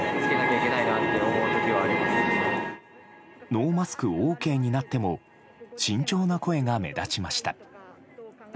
ノーマスクＯＫになっても慎重な声が目立ちました。